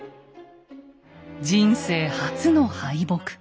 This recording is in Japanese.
人生初の敗北。